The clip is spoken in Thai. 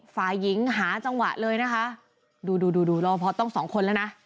ฝ่ายหญิงหาจังหวะเลยนะคะดูดูดูดูรอพอต้องสองคนแล้วนะ